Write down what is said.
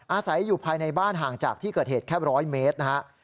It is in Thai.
อาศัยอยู่ภายในบ้านห่างจากที่เกิดเหตุแค่๑๐๐เมตรนะครับ